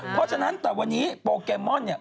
ตอนนี้โปกเรมมอนต์เนี่ย